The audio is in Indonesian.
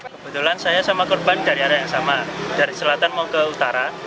kebetulan saya sama korban dari arah yang sama dari selatan mau ke utara